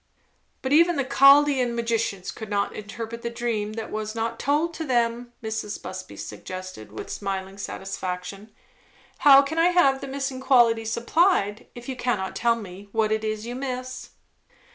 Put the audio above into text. "But even the Chaldean magicians could not interpret the dream that was not told to them," Mrs. Busby suggested, with smiling satisfaction. "How can I have the missing quality supplied, if you cannot tell me what it is you miss?"